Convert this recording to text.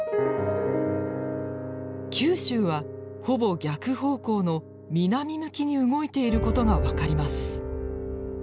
九州はほぼ逆方向の南向きに動いていることが分かります。